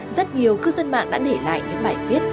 rất nhiều cư dân mạng đã để lại những bài viết